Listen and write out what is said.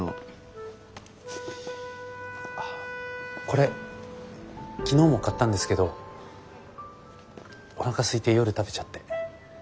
これ昨日も買ったんですけどおなかすいて夜食べちゃって。